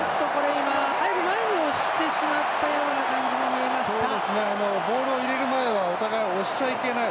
入る前に押してしまったような感じにボールを入れる前はお互い、押しちゃいけない。